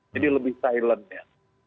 jadi lebih silent ya